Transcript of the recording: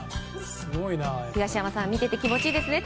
東山さん見てて気持ちいいですね。